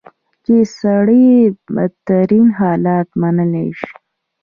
چې سړی بدترین حالت منلی شي.